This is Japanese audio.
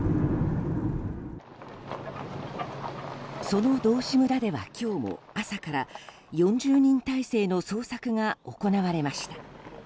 その道志村では今日も朝から４０人態勢の捜索が行われました。